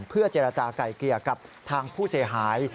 เพื่อเจรจาก่ายเกลี่ยกับทางผู้เสียหาย